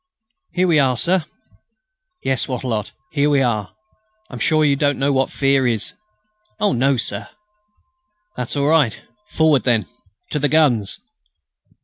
"Here we are, sir." "Yes, Wattrelot, here we are. I'm sure you don't know what fear is!" "Oh! no, sir." "That's all right. Forward then! To the guns!"